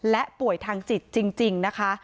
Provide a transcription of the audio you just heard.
และป่วยทางจิตจริงนะคะ